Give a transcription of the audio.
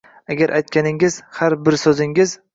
Agar aytganingiz, har bir so’zingiz